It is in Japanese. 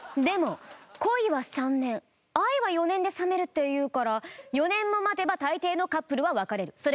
でも恋は３年愛は４年で冷めるっていうから４年も待てば大抵のカップルは別れる。